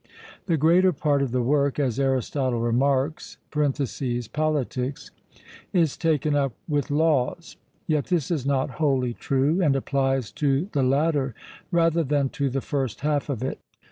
'The greater part of the work,' as Aristotle remarks (Pol.), 'is taken up with laws': yet this is not wholly true, and applies to the latter rather than to the first half of it.